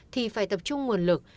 thì phải tập trung nguồn lực